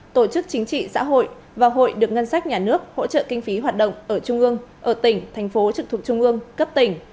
tổ chức chính trị xã hội và hội được ngân sách nhà nước hỗ trợ kinh phí hoạt động ở trung ương ở tỉnh thành phố trực thuộc trung ương cấp tỉnh